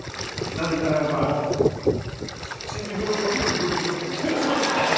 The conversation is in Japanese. なぜならば新宿のゴミを拾ってましたウソつけ！